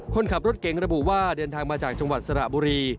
คนขับรถเก๋งระบุว่าเดินทางมาจากจังหวัดสระบุรี